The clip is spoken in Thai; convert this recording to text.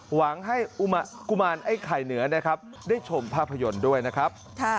หวังให้กุมารไอ้ไข่เหนือนะครับได้ชมภาพยนตร์ด้วยนะครับ